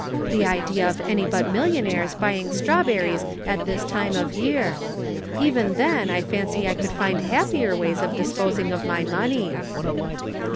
The idea of any but millionnaires buying strawberries at this time of year ! Even then I fancy I could find happier ways of disposing of my money."